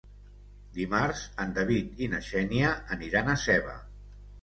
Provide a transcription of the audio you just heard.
Dimarts en David i na Xènia aniran a Seva.